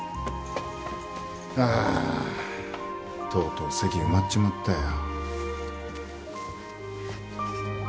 あとうとう席埋まっちまったよ。